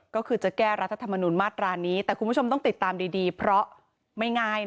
ก็คือจะแก้รัฐธรรมนุนมาตรานี้แต่คุณผู้ชมต้องติดตามดีเพราะไม่ง่าย